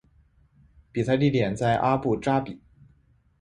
比赛地点在阿布扎比。